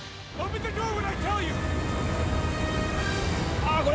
「ああこれ！」